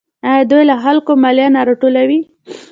آیا دوی له خلکو مالیه نه راټولوي؟